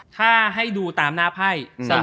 ถ้าให้ดูตามหน้าไพ่